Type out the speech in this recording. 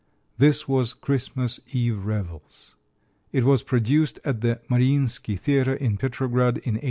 This was "Christmas Eve Revels." It was produced at the Maryinsky Theater in Petrograd in 1895.